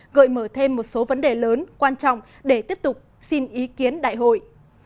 gợi mở thêm một số vấn đề lớn quan trọng để tiếp tục xin ý kiến đại hội